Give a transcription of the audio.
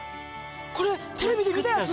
これテレビで見たやつ。